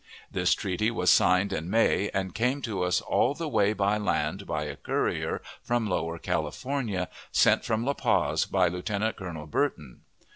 This treaty was signed in May, and came to us all the way by land by a courier from Lower California, sent from La Paz by Lieutenant Colonel Burton.